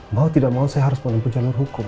mau tidak mau saya harus menempuh jalur hukum